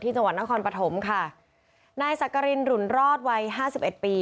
จังหวัดนครปฐมค่ะนายสักกรินหลุนรอดวัยห้าสิบเอ็ดปี